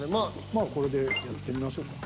まあこれでやってみましょうか。